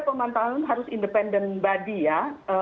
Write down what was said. pemantauan harus independent body ya